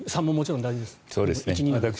３ももちろん大事ですが１、２。